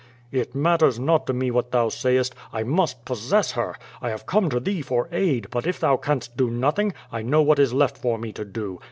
"It matters not to me what thou sayest. I must possess her! I have come to thee for aid, but if thou canst do nothing, I know what is left for me to do.